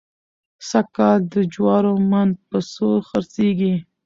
سږکال د جوارو من په څو خرڅېږي؟